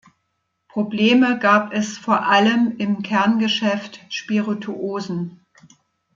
Probleme gab es vor allem im Kerngeschäft Spirituosen.